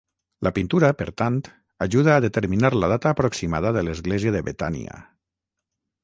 La pintura, per tant, ajuda a determinar la data aproximada de l'església de Betània.